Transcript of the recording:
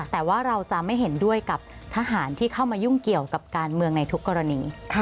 แต่ว่าเราจะไม่เห็นด้วยกับทหารที่เข้ามายุ่งเกี่ยวกับการเมืองในทุกกรณี